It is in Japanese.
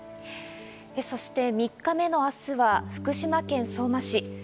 そして３日目の明日は福島県相馬市。